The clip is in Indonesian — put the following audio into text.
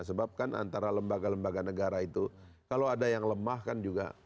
sebab kan antara lembaga lembaga negara itu kalau ada yang lemah kan juga